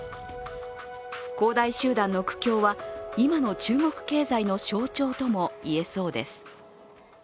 恒大集団の苦境は今の中国経済の象徴ともいえそうです。